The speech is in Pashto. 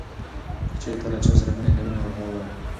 که چېرې ته له چا سره مینه کوې نو ورته ووایه.